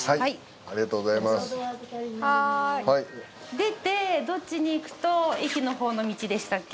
出てどっちに行くと駅のほうの道でしたっけ？